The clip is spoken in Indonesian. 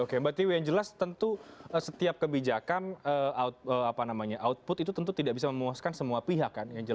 oke mbak tiwi yang jelas tentu setiap kebijakan output itu tentu tidak bisa memuaskan semua pihak kan